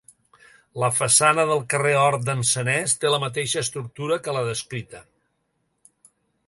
La façana del carrer Hort d'en Sanés té la mateixa estructura que la descrita.